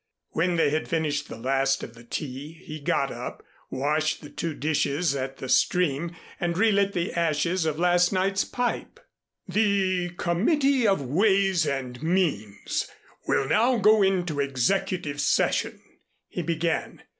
When they had finished the last of the tea he got up, washed the two dishes at the stream, and relit the ashes of last night's pipe. "The Committee of Ways and Means will now go into executive session," he began.